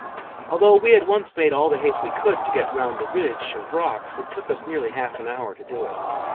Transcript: Although we at once made all the haste we could to get round the ridge of rocks, it took us nearly half an hour to do it.